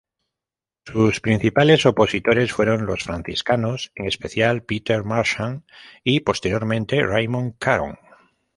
Sus principales opositores fueron los franciscanos, en especial Peter Marchant y posteriormente Raymond Caron.